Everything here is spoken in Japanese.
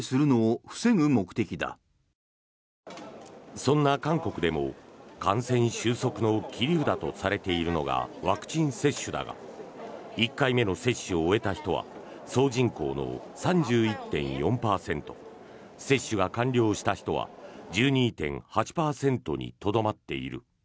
そんな韓国でも、感染収束の切り札とされているのがワクチン接種だが１回目の接種を終えた人は総人口の３１．４％接種が完了した人は１２．８％にとどまっている。